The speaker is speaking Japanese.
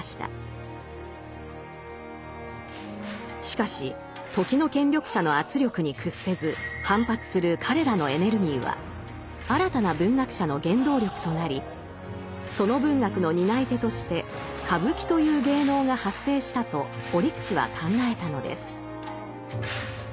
しかし時の権力者の圧力に屈せず反発する彼らのエネルギーは新たな文学者の原動力となりその文学の担い手として歌舞伎という芸能が発生したと折口は考えたのです。